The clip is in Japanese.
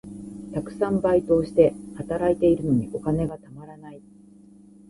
たくさんバイトをして、働いているのにお金がたまらない。